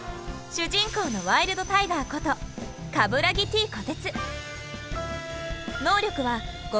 主人公のワイルドタイガーこと鏑木・Ｔ・虎徹。